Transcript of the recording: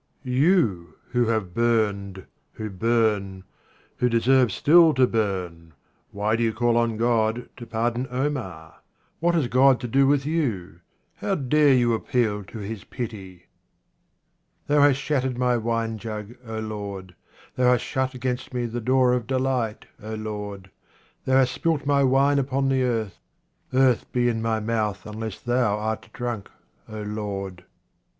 You, who have burned, who burn, who deserve still to burn, why do you call on God to pardon Omar ? What has God to do with you ? How dare you appeal to His pity ? Thou hast shattered my winejug, O Lord ; Thou hast shut against me the door of delight, O Lord ; thou hast spilt my wine upon the 41 QUATRAINS OF OMAR KHAYYAM earth ; earth be in my mouth unless Thou art drunk, O Lord.